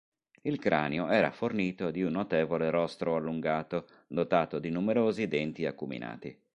Il cranio era fornito di un notevole rostro allungato, dotato di numerosi denti acuminati.